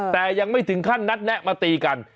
แต่ยังไม่ถึงขั้นนัดแนะมาตีกัน